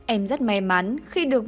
em rất may mắn khi được